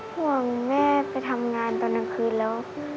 ห่วงแม่ไปทำงานตอนกลางคืนแล้ว